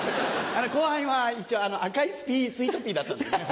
後半は一応『赤いスイートピー』だったんだよね。